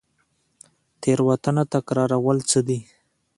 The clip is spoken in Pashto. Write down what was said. تیروتنه تکرارول څه دي؟